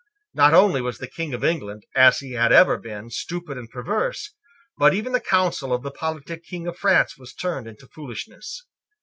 Not only was the King of England, as he had ever been, stupid and perverse: but even the counsel of the politic King of France was turned into foolishness.